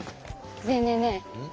ねえねえねえうん？